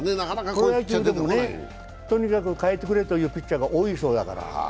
プロ野球でもとにかく代えてくれというピッチャーが多いそうだから。